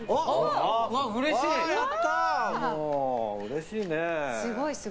うれしいね。